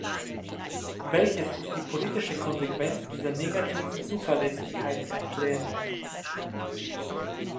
Welches ist die politische Konsequenz dieser negativen Zuverlässigkeitserklärung?